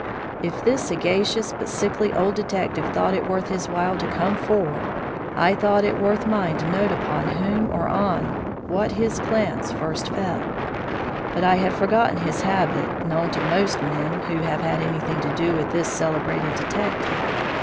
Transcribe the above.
If this sagacious but sickly old detective thought it worth his while to come forward, I thought it worth mine to note upon whom or on what his glance first fell. But I had forgotten his habit, known to most men who have had anything to do with this celebrated detective.